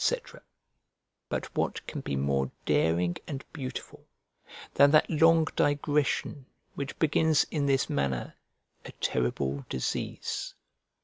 But what can be more daring and beautiful than that long digression, which begins in this manner: "A terrible disease?"